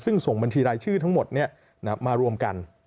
ซึ่งส่งบัญชีรายชื่อทั้งหมดมารวมกัน